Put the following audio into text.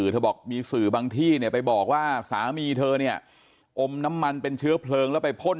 ถูกต้อง